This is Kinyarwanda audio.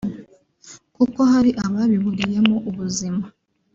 kuko hari ababiburiyemo ubuzima